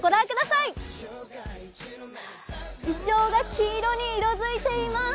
いちょうが黄色に色づいています。